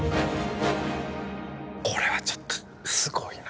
これはちょっとすごいな。